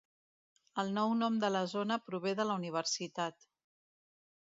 El nou nom de la zona prové de la universitat.